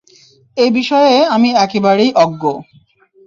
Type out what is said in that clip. এই বিষয়ে আমি একেবারেই অজ্ঞ।